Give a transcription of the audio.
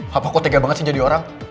papa kok tega banget sih jadi orang